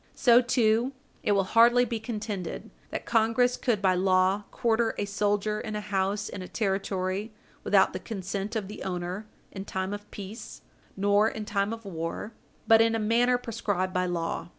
So, too, it will hardly be contended that Congress could by law quarter a soldier in a house in a Territory without the consent of the owner, in time of peace nor in time of war, but in a manner prescribed by law.